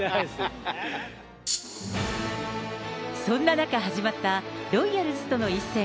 そんな中始まった、ロイヤルズとの一戦。